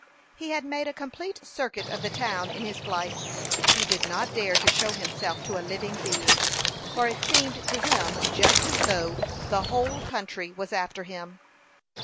He had made a complete circuit of the town in his flight. He did not dare to show himself to a living being; for it seemed to him just as though the whole country was after him.